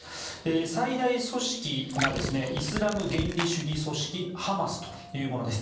最大組織がイスラム原理主義組織ハマスというものです。